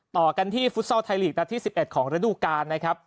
ต่อกันที่ฟุตซอลไทยลีกนัดที่๑๑ของฤดูกาลนะครับ